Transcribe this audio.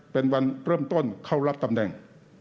เป็นวันเริ่มต้นเข้ารับตำแหน่ง